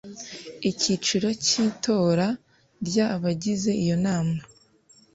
icyiciro cya itora ry abagize Iyo Inama